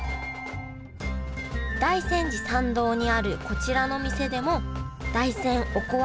大山寺参道にあるこちらの店でも大山おこわ